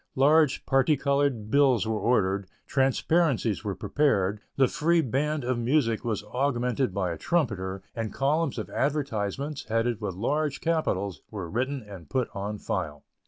Large particolored bills were ordered, transparencies were prepared, the free band of music was augmented by a trumpeter, and columns of advertisements, headed with large capitals, were written and put on file.